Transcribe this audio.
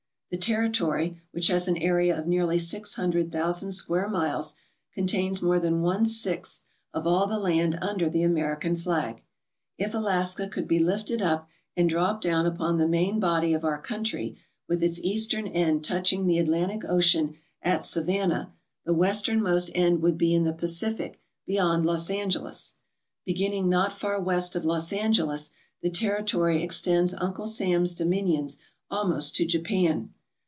The territory, which has an area of nearly six hundred thousand square miles, contains more than one sixth of all the land under the American flag. If Alaska could be lifted up and dropped down upon the main body of our country, with its eastern end touching the Atlantic Ocean at Savannah, the westernmost end would be in ALASKA OUR NORTHERN WONDERLAND the Pacific beyond Los Angeles. Beginning not far west of Los Angeles, the territory extends Uncle Sam's domin ions almost to Japan.